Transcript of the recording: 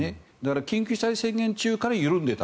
緊急事態宣言中から緩んでいた。